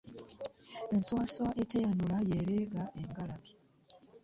Enswaswa eteyanula y'eraga engalabi .